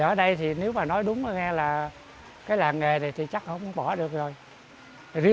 ở đây thì nếu mà nói đúng nghe là cái làng nghề này thì chắc không bỏ được rồi